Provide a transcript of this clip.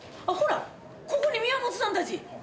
ここに宮本さんたち。